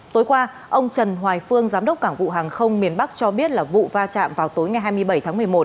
tối qua ông trần hoài phương giám đốc cảng vụ hàng không miền bắc cho biết là vụ va chạm vào tối ngày hai mươi bảy tháng một mươi một